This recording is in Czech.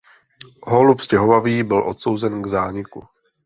Holub stěhovavý byl odsouzen k zániku.